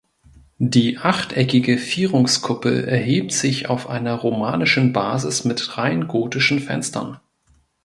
Die achteckige Vierungskuppel erhebt sich auf einer romanischen Basis mit rein gotischen Fenstern.